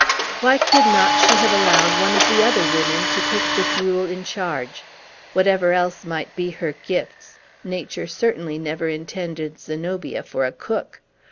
Why could not she have allowed one of the other women to take the gruel in charge? Whatever else might be her gifts, Nature certainly never intended Zenobia for a cook.